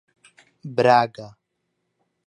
Braga